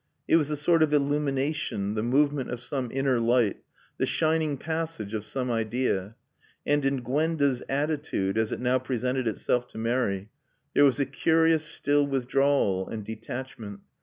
It was a sort of illumination, the movement of some inner light, the shining passage of some idea. And in Gwenda's attitude, as it now presented itself to Mary, there was a curious still withdrawal and detachment.